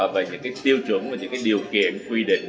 về những cái tiêu chuẩn và những cái điều kiện quy định